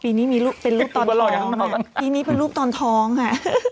ปีนี้เป็นลูกตอนท้องปีนี้เป็นลูกตอนท้องค่ะ